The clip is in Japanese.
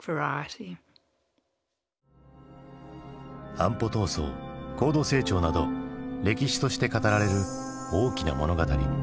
安保闘争高度成長など歴史として語られる大きな物語。